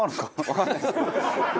わかんない。